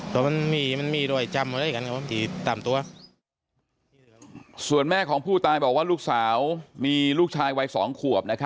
พ่อนี่ไปนี่เสร็จแค่จะทาโหลก่อน